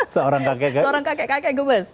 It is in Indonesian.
seorang kakek kakek gemes